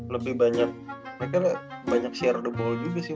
mereka banyak share the ball juga sih